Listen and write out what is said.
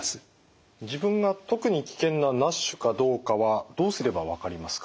自分が特に危険なＮＡＳＨかどうかはどうすれば分かりますか？